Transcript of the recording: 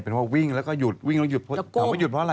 เป็นคนวิ่งแล้วก็หยุดหยุดเพราะอะไร